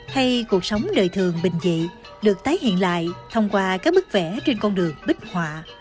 hay cuộc sống đời thường bình dị được tái hiện lại thông qua các bức vẽ trên con đường bích họa